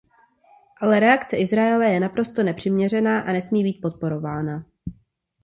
Ale reakce Izraele je naprosto nepřiměřená a nesmí být podporována.